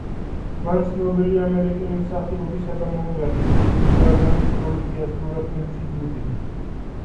მან ცნობილი ამერიკელი მსახიობის და მომღერლის, ჯუდი გარლანდის როლი შეასრულა ფილმში „ჯუდი“.